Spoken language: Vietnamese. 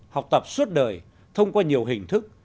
học tập suốt đời thông qua nhiều hình thức